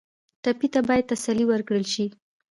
ټپي ته باید تسلي ورکړل شي.